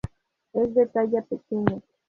Es de talla pequeña.